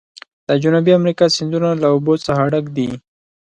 د جنوبي امریکا سیندونه له اوبو څخه ډک دي.